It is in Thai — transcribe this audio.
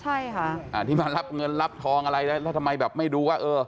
ใช่ค่ะอ่าที่มารับเงินรับทองอะไรแล้วแล้วทำไมแบบไม่ดูว่าเออ